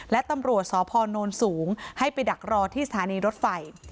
และตำรวจสพนสูงให้ไปดักรอที่สถานีรถไฟ